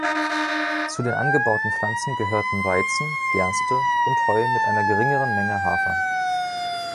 Zu den angebauten Pflanzen gehörten Weizen, Gerste und Heu mit einer geringeren Menge Hafer.